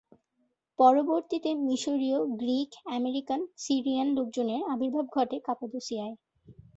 পরবর্তীতে মিশরীয়, Greek, American, Syrian লোকজনের আবির্ভাব ঘটে কাপাদোসিয়ায়।